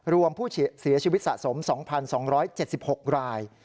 รวมผู้เสียชีวิตสะสม๒๒๗๖ราย